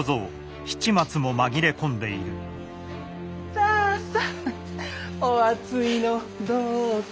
さあさあお熱いのどうぞ。